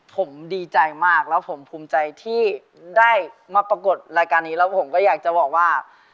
ผมดีใจมากแล้วผมภูมิใจที่ได้มาปรากฏรายการนี้แล้วผมก็อยากจะบอกว่า